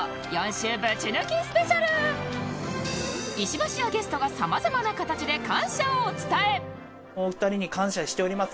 石橋やゲストがさまざまな形で感謝をお伝え